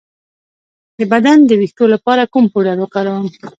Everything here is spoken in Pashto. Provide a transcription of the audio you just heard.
د بدن د ویښتو لپاره کوم پوډر وکاروم؟